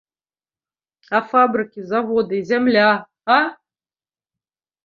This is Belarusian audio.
А фабрыкі, заводы, зямля, а?